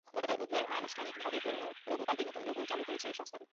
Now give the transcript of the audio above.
গতকাল বুধবার আনুষ্ঠানিকভাবে পুরোনো লোগো পাল্টে নতুন লোগো চালু করেছে সংস্থাটি।